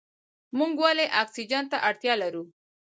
موږ ولې اکسیجن ته اړتیا لرو؟